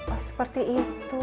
oh seperti itu